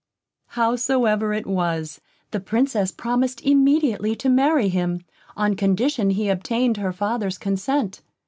Howsoever it was, the Princess promised immediately to marry him, on condition he obtained her father's consent.